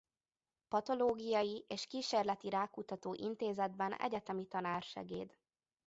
Patológiai és Kísérleti Rákkutató Intézetben egyetemi tanársegéd.